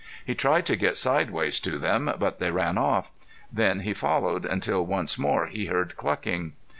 He tried to get sidewise to them but they ran off. Then he followed until once more he heard clucking.